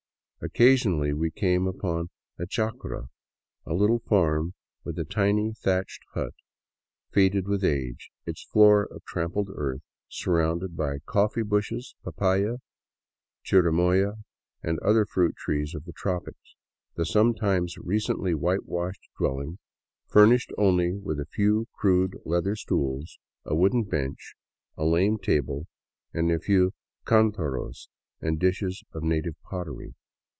Occasionally we came upon a chacra, a little farm with a tiny thatched hut faded with age, its floor of trampled earth, surrounded by coffee bushes, papaya, chirimoya, and other fruit trees of the tropics, the sometimes recently white washed dwelling fur nished only with a few crude leather stools, a wooden bench, a lame table, and a few cdntaros and dishes of native pottery.